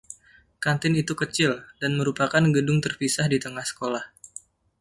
Kantin itu kecil, dan merupakan gedung terpisah di tengah sekolah.